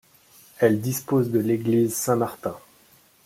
Elle dispose de l'église Saint-Martin.